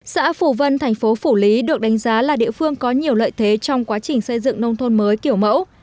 xã phủ vân thành phố phủ lý được đánh giá là địa phương có nhiều lợi thế trong quá trình xây dựng nông thôn mới kiểu mẫu